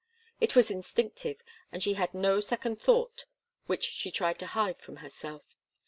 It was instinctive, and she had no second thought which she tried to hide from herself.